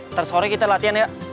ntar sore kita latihan ya